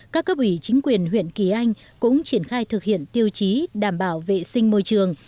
các cấp ủy chính quyền huyện kỳ anh cũng triển khai thực hiện tiêu chí đảm bảo vệ sinh môi trường